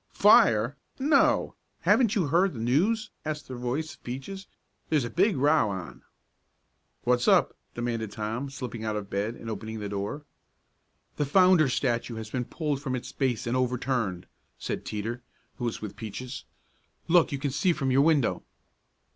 "Fire! No. Haven't you heard the news?" asked the voice of Peaches. "There's a big row on." "What's up?" demanded Tom, slipping out of bed, and opening the door. "The Founder Statue has been pulled from its base, and overturned!" said Teeter, who was with Peaches. "Look, you can see it from your window."